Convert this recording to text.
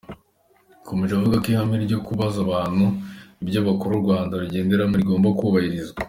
Yakomeje avuga ko ihame ryo kubaza abantu ibyo bakora u Rwanda rugenderaho rigomba kubahirizwa.